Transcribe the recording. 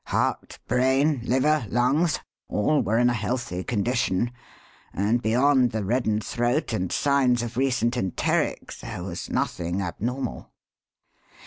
Heart, brain, liver, lungs all were in a healthy condition, and beyond the reddened throat and the signs of recent enteric there was nothing abnormal."